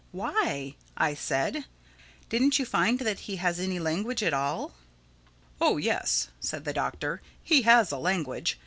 "Why?" I said. "Didn't you find that he has any language at all?" "Oh yes," said the Doctor, "he has a language.